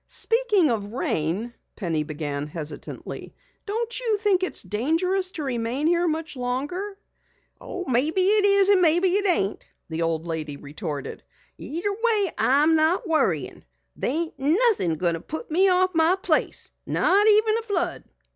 "Speaking of rain," Penny began hesitantly, "Don't you think it's dangerous to remain here much longer?" "Maybe it is, maybe it ain't," the old lady retorted. "Either way I'm not worryin'. There ain't nothin' going to put me off my place not even a flood."